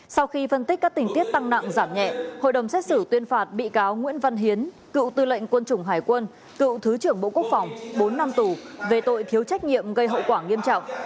sau khi phân tích các tình tiết tăng nặng giảm nhẹ hội đồng xét xử tuyên phạt bị cáo nguyễn văn hiến cựu tư lệnh quân chủng hải quân cựu thứ trưởng bộ quốc phòng bốn năm tù về tội thiếu trách nhiệm gây hậu quả nghiêm trọng